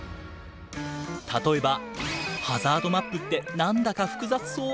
例えばハザードマップって何だか複雑そう。